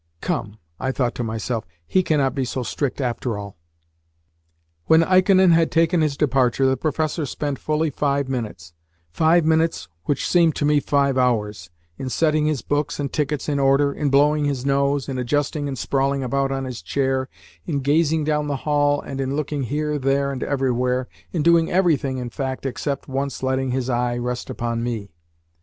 "Come!" I thought to myself. "He cannot be so strict after all." When Ikonin had taken his departure the professor spent fully five minutes five minutes which seemed to me five hours in setting his books and tickets in order, in blowing his nose, in adjusting and sprawling about on his chair, in gazing down the hall, and in looking here, there, and everywhere in doing everything, in fact, except once letting his eye rest upon me.